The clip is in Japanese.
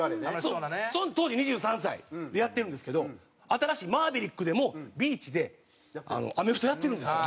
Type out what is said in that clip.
その当時２３歳でやってるんですけど新しい『マーヴェリック』でもビーチでアメフトやってるんですよ。